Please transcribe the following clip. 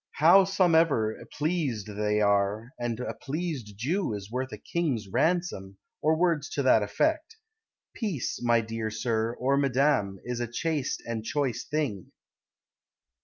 Howsomever, Pleased they are, And a pleased Jew Is worth a king's ransom, Or words to that effect. Peace, my dear Sir, or Madam, Is a chaste and choice Thing.